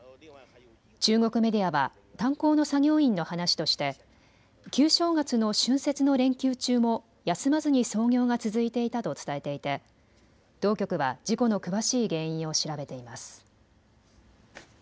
中国メディアは炭鉱の作業員の話として旧正月の春節の連休中も休まずに操業が続いていたと伝えていて当局は事故の詳しい原因を調べています。